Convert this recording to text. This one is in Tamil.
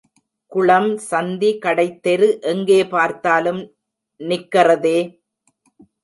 குளம், சந்தி, கடைத்தெரு, எங்கே பார்த்தாலும் நிக்றதே.